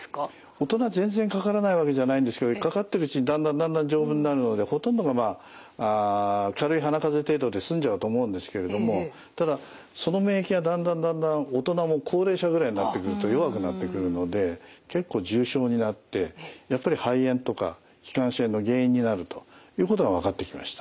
大人は全然かからないわけじゃないんですけどかかってるうちにだんだんだんだん丈夫になるのでほとんどがまあ軽い鼻風邪程度で済んじゃうと思うんですけれどもただその免疫がだんだんだんだん大人も高齢者ぐらいになってくると弱くなってくるので結構重症になってやっぱり肺炎とか気管支炎の原因になるということが分かってきました。